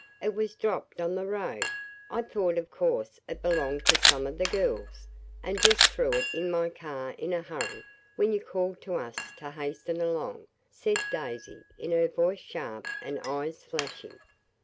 "It was dropped on the road. I thought of course it belonged to some of the girls, and just threw it in my car in a hurry when you called to us to hasten along," said Daisy, her voice sharp and eyes flashing.